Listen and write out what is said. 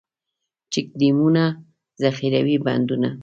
چک ډیمونه، ذخیروي بندونه.